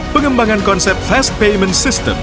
pengembangan konsep fast payment system